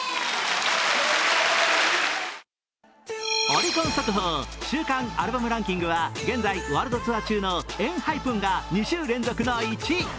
オリコン速報週間アルバムランキングは現在ワールドツアー中のＥＮＨＹＰＥＮが２週連続の１位。